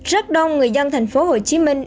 rất đông người dân thành phố hồ chí minh